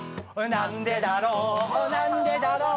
なんでだろう、なんでだろう、